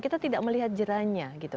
kita tidak melihat jeranya gitu